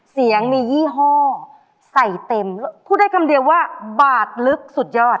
เสียงมียี่ห้อใส่เต็มพูดได้คำเดียวว่าบาดลึกสุดยอด